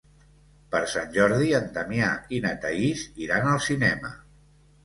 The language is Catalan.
Per Sant Jordi en Damià i na Thaís iran al cinema.